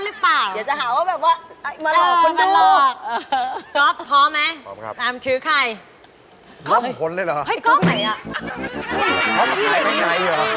เดี๋ยวจะหาว่าเมทกันหรือเปล่า